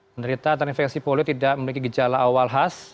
penderita terinfeksi poli tidak memiliki gejala awal khas